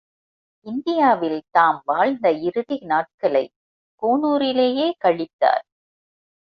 இந்தியாவில் தாம் வாழ்ந்த இறுதி நாட்களைக் கூனூரிலேயே கழித்தார்.